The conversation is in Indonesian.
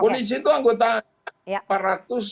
polisi itu anggota dpr